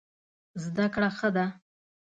زده کړه ښه ده.